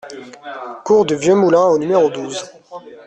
Cours du Vieux Moulin au numéro douze